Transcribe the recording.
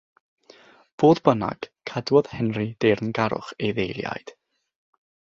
Fodd bynnag, cadwodd Henry deyrngarwch ei ddeiliaid.